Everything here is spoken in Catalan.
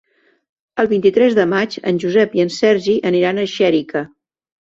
El vint-i-tres de maig en Josep i en Sergi aniran a Xèrica.